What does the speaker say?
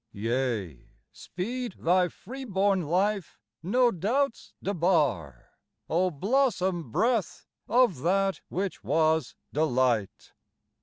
Yea, speed thy freeborn life no doubts debar, O blossom breath of that which was delight!